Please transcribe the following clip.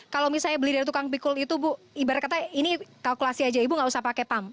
kalau misalnya beli dari tukang pikul itu bu ibarat kata ini kalkulasi aja ibu nggak usah pakai pump